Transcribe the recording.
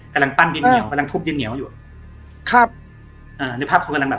กำลังปั้นดินเหนียวกำลังทุบดินเหนียวอยู่ครับอ่าในภาพเขากำลังแบบ